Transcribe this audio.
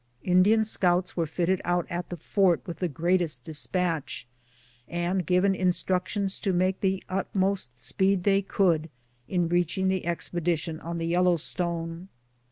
Indian scouts were fitted out at the Fort with the greatest de spatch, and given instructions to make the utmost speed they could in reaching the expedition on the Yellow stone.